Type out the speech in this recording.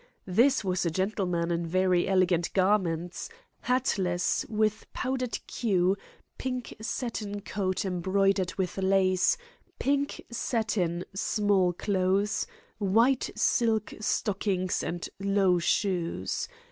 This was a gentleman in very elegant garments, hatless, with powdered queue, pink satin coat embroidered with lace, pink satin small clothes, white silk stockings, and low shoes.